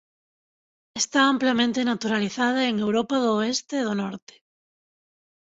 Está amplamente naturalizada en Europa do oeste e do norte.